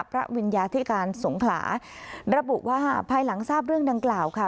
วิญญาธิการสงขลาระบุว่าภายหลังทราบเรื่องดังกล่าวค่ะ